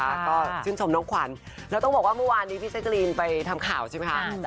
แล้วก็ชื่นชมน้องขวัญแล้วต้องบอกว่าเมื่อวานนี้พี่แจ๊กรีนไปทำข่าวใช่ไหมคะ